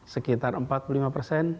sekitar empat puluh lima persen